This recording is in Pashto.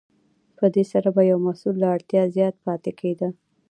په دې سره به یو محصول له اړتیا زیات پاتې کیده.